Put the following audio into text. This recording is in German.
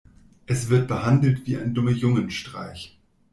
Es wird behandelt wie ein Dummejungenstreich.